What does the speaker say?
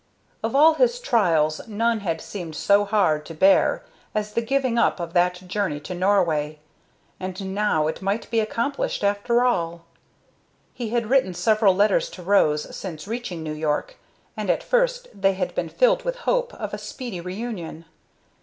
Of all his trials none had seemed so hard to bear as the giving up of that journey to Norway, and now it might be accomplished, after all. He had written several letters to Rose since reaching New York, and at first they had been filled with hopes of a speedy reunion.